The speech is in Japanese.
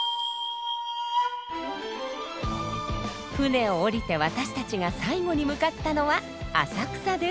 船を降りて私たちが最後に向かったのは浅草です。